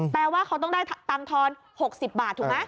แปลว่าเขาต้องได้ตังค์ทอน๖๐บาทถูกไหม